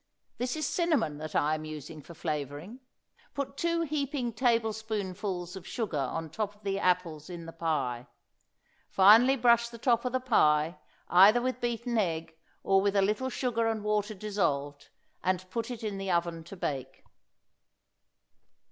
This is cinnamon that I am using for flavoring. Put two heaping tablespoonfuls of sugar on top of the apples in the pie. Finally brush the top of the pie, either with beaten egg or with a little sugar and water dissolved, and put it into the oven to bake.